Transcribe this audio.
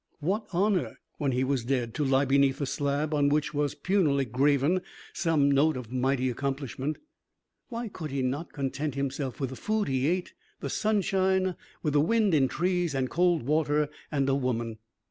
What honour, when he was dead, to lie beneath a slab on which was punily graven some note of mighty accomplishment? Why could he not content himself with the food he ate, the sunshine, with wind in trees, and cold water, and a woman?